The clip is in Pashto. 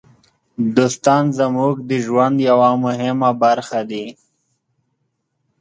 دوستان زموږ د ژوند یوه مهمه برخه دي.